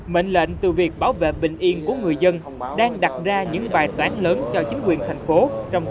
mệnh lệnh từ việc bảo vệ bình yên của người dân đang đặt ra những bài toán lớn cho chính quyền thành phố trong